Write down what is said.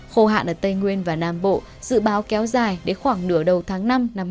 khô hạn ở tây nguyên và nam bộ dự báo kéo dài đến khoảng nửa đầu tháng năm năm hai nghìn hai mươi bốn